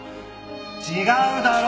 違うだろ！